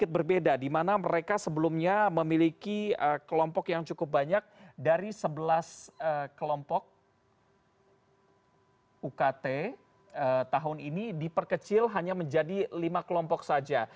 berbeda di mana mereka sebelumnya memiliki kelompok yang cukup banyak dari sebelas kelompok ukt tahun ini diperkecil hanya menjadi lima kelompok saja